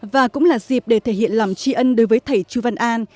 và cũng là dịp để thể hiện lòng tri ân đối với thầy chu văn an